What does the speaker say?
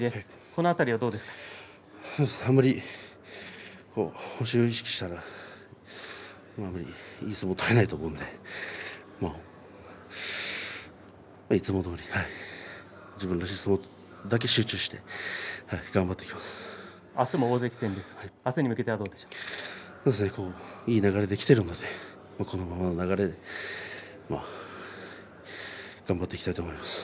この辺りはどうですか星を意識したらいい相撲が取れないと思うのでいつもどおり自分らしい相撲だけ集中してあすも大関戦です。いい流れできているのでこのままの流れで頑張っていきたいと思います。